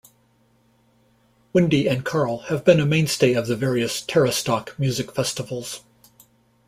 Windy and Carl have been a mainstay of the various Terrastock music festivals.